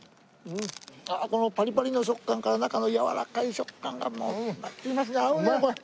あっこのパリパリの食感から中のやわらかい食感が合うねこれ。